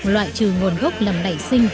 loại trừ nguồn gốc làm nảy sinh